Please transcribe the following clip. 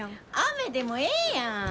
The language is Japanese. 雨でもええやん！